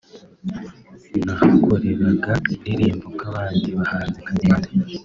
nahakoreraga indirimbo nk’abandi bahanzi nkagenda